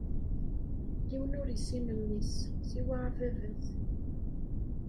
Yiwen ur issin Mmi-s, siwa Ababat.